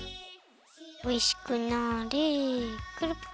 おいしくなれ。